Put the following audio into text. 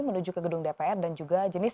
menuju ke gedung dpr dan juga jenis